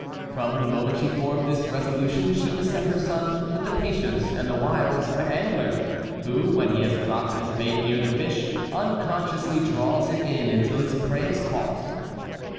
From the moment she formed this resolution she beset her son with the patience and the wiles of an angler, who, when he has dropped his bait near the fish, unconsciously draws it in until his prey is caught.